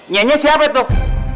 nyanya siapa tuh